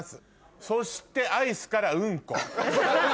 そしてアイスからうんこ。